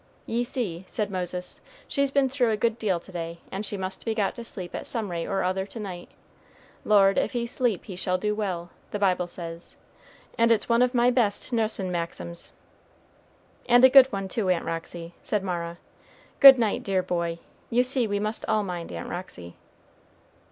"Ye see," said Miss Roxy, "she's been through a good deal to day, and she must be got to sleep at some rate or other to night. 'Lord, if he sleep he shall do well,' the Bible says, and it's one of my best nussin' maxims." "And a good one, too, Aunt Roxy," said Mara. "Good night, dear boy; you see we must all mind Aunt Roxy."